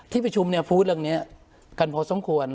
ที่ประชุมเนี่ยพูดเรื่องนี้กันพอสมควร